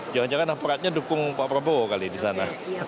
jangan jangan aparatnya dukung pak prabowo kali di sana